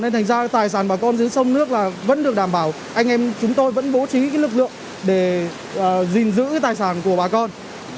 nên thành ra tài sản bà con dưới sông nước là vẫn được đảm bảo anh em chúng tôi vẫn bố trí lực lượng để gìn giữ tài sản của bà con